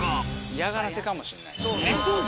嫌がらせかもしんないしね。